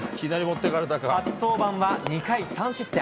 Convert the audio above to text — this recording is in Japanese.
初登板は２回３失点。